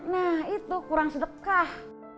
nah itu kurang sedekah